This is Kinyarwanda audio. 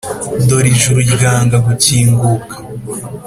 dore ijuru ryanga gukinguka;